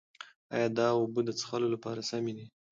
ایا دا اوبه د څښلو لپاره سمې دي؟